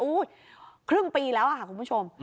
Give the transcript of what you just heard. ครึ่งปีแล้วค่ะคุณผู้ชม